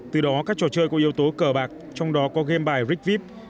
từ đó các trò chơi có yếu tố cờ bạc trong đó có game bài rick vip